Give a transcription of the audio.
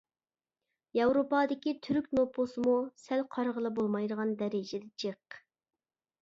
ياۋروپادىكى تۈرك نوپۇسىمۇ سەل قارىغىلى بولمايدىغان دەرىجىدە جىق.